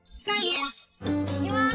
いきます。